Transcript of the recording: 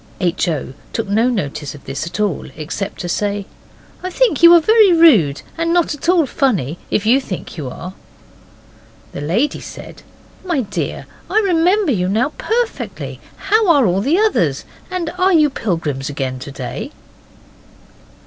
H. O. took no notice of this at all, except to say, 'I think you are very rude, and not at all funny, if you think you are.' The lady said, 'My dear, I remember you now perfectly. How are all the others, and are you pilgrims again to day?